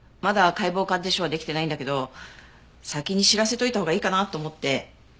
まだ解剖鑑定書はできてないんだけど先に知らせておいたほうがいいかなと思って。